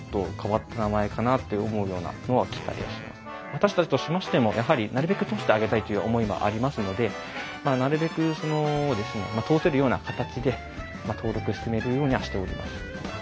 私たちとしましてもやはりなるべく通してあげたいという思いはありますのでなるべく通せるような形で登録進めるようにはしております。